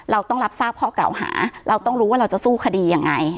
เราต้องรับทราบข้อเก่าหาเราต้องรู้ว่าเราจะสู้คดียังไง